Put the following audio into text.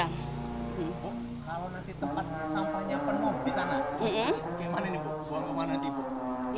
bu kalau nanti tempat sampahnya penuh di sana gimana nih bu buang kemana nanti bu